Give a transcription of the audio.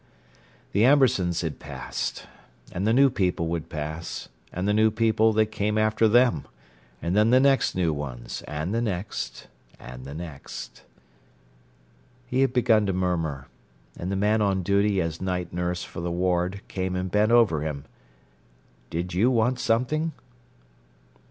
The Ambersons had passed, and the new people would pass, and the new people that came after them, and then the next new ones, and the next—and the next— He had begun to murmur, and the man on duty as night nurse for the ward came and bent over him. "Did you want something?"